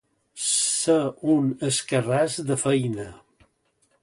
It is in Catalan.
Ser un escarràs de feina.